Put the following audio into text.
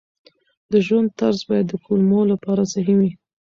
د ژوند طرز باید د کولمو لپاره صحي وي.